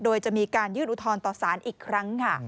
โดยจะมีการยื่นอุทธรณ์ต่อสารอีกครั้งค่ะ